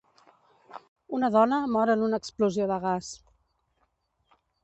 Una dona mor en una explosió de gas.